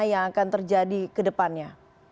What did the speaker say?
yang akan terjadi kedepannya